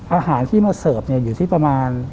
อาหารที่มาเสิร์ฟอยู่ที่ประมาณ